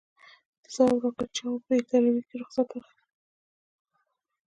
ده ځواب راکړ: چاو، په ایټالوي کې یې رخصت واخیست.